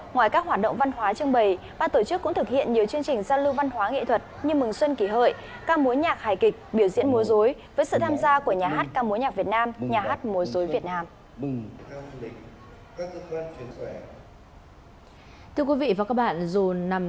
ngoài các hoạt động văn hóa trưng bày ba tổ chức cũng thực hiện nhiều chương trình gian lưu văn hóa nghệ thuật như mừng xuân kỷ hợi cang mối nhạc hải kịch biểu diễn mối rối với sự tham gia của nhà hát cang mối nhạc việt nam nhà hát mối rối việt nam